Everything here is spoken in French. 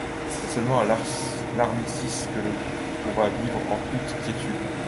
C'est seulement à l'armistice que le couple pourra vivre en toute quiétude.